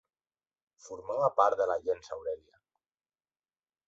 Formava part de la gens Aurèlia.